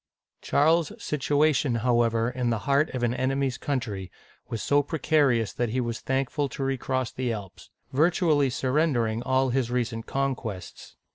Charles's situation, however, in the heart of an enemy's country, was so precarious that he was thankful to re cross the Alps, virtually surrendering all his recent con quests.